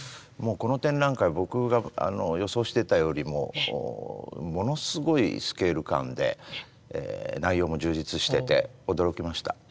この展覧会僕が予想していたよりもものすごいスケール感で内容も充実してて驚きました。